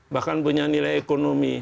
bahkan punya nilai ekonomi